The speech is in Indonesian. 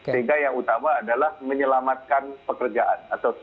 sehingga yang utama adalah menyelamatkan pekerjaan atau safe job